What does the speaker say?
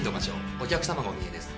お客さまがお見えです。